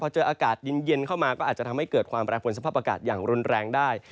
พอเจออากาศเย็นเข้ามาก็อาจจะทำให้เกิดความแปรผลสภาพอากาศอย่างรุนแรงได้